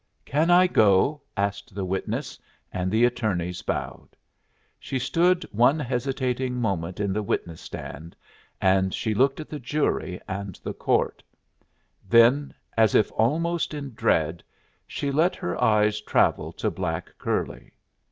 "Can I go?" asked the witness, and the attorneys bowed. She stood one hesitating moment in the witness stand, and she looked at the jury and the court; then, as if almost in dread, she let her eyes travel to black curly.